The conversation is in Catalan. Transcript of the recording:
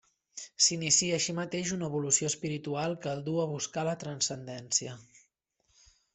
S'inicia així mateix una evolució espiritual que el duu a buscar la transcendència.